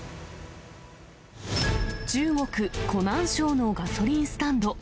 中国・湖南省のガソリンスタンド。